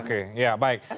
oke ya baik